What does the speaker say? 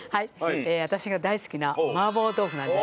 私が大好きな麻婆豆腐なんです。